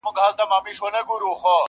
• دا حلال به لا تر څو پر موږ حرام وي..